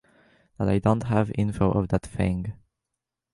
That I don't have info of that thing.